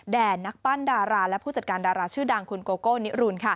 นักปั้นดาราและผู้จัดการดาราชื่อดังคุณโกโก้นิรุน